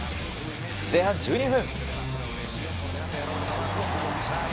前半１２分。